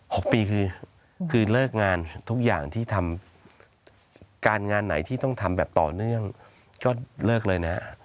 หกปีคือคือเลิกงานทุกอย่างที่ทำการงานไหนที่ต้องทำแบบต่อเนื่องก็เลิกเลยนะ